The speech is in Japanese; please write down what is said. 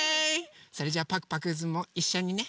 それじゃパクパクズもいっしょにね。